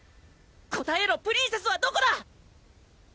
答えろプリンセスはどこだ！